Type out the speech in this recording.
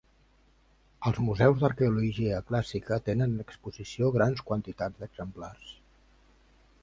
Els museus d'arqueologia clàssica tenen en exposició grans quantitats d'exemplars.